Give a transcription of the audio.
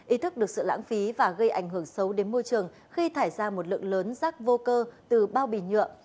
ý thức được sự lãng phí và gây ảnh hưởng xấu đến môi trường khi thải ra một lượng lớn rác vô cơ từ bao bì nhựa